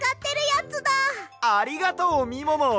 ありがとうみもも！